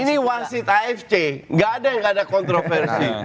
ini wasit afc gak ada nggak ada kontroversi